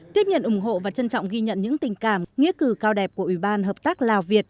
tiếp nhận ủng hộ và trân trọng ghi nhận những tình cảm nghĩa cử cao đẹp của ủy ban hợp tác lào việt